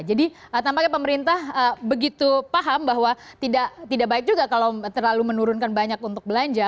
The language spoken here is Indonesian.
jadi tampaknya pemerintah begitu paham bahwa tidak baik juga kalau terlalu menurunkan banyak untuk belanja